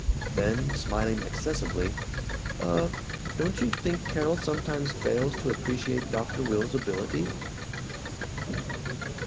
Then, smiling excessively, "Uh don't you think Carol sometimes fails to appreciate Dr. Will's ability?"